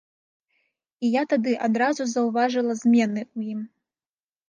І я тады адразу заўважыла змены ў ім.